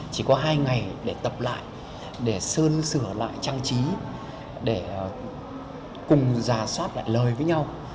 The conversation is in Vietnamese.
chỉ có hai ngày để tập lại để sơn sửa lại trang trí để cùng giả soát lại lời với nhau